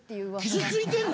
傷付いてんの！？